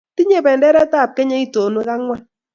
Tinyei benderetab Kenya itonwek ang'wan